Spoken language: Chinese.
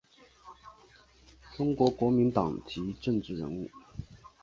中国国民党籍政治人物。